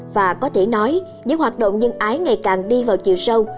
và có thể nói những hoạt động nhân ái ngày càng đi vào chiều sâu